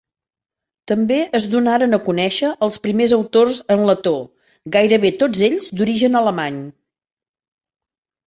També es donaren a conèixer els primers autors en letó, gairebé tots ells d'origen alemany.